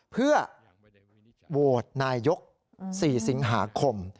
เพื่อโหวตนายก๔สิงหาคม